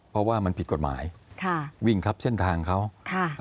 เพราะว่ามันผิดกฎหมายค่ะวิ่งทับเส้นทางเขาค่ะ